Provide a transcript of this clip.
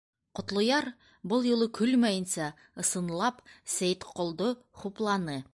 Ҡотлояр был юлы көлмәйенсә, ысынлап Сәйетҡолдо хупланы: